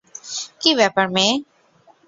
কি ব্যাপার, মেয়ে?